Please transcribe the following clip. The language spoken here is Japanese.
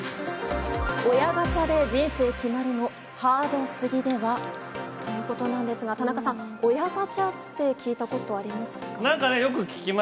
親ガチャで人生決まるのハードすぎでは？ということなんですが、田中さん、親ガチャって、聞いたことありま